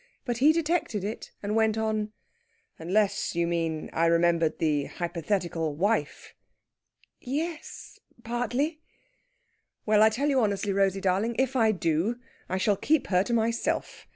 But he detected it, and went on: "Unless, you mean, I remembered the hypothetical wife?..." "Ye es! partly." "Well! I tell you honestly, Rosey darling, if I do, I shall keep her to myself.